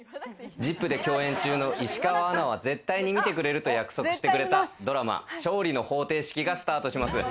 『ＺＩＰ！』で共演中の石川アナは絶対に見てくれると約束してくれた、ドラマ『勝利の法廷式』がスタートします。